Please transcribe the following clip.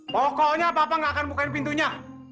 pokoknya papa gak akan bukain pintunya